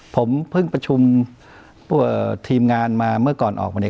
ผมเพิ่งประชุมทีมงานมาเมื่อก่อนออกมาเนี่ย